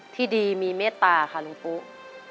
ที่ดีมีเมตตาค่ะลุงปุ๊